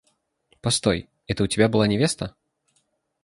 Постой, это у тебя была невеста?